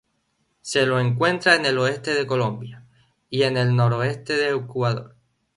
Se lo encuentra en el oeste de Colombia y el noroeste de Ecuador.